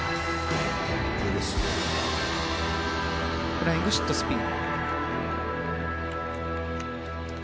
フライングシットスピン。